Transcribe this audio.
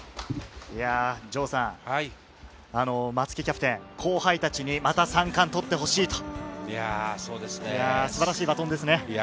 松木キャプテン、後輩たちにまた３冠を取ってほしいと、素晴らしいバトンですね。